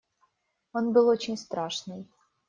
Он был очень страшный.